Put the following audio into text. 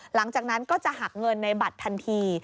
หลังจากนั้นก็จะหักเงินในบัตรทันที